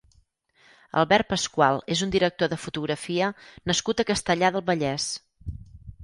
Albert Pascual és un director de fotografia nascut a Castellar del Vallès.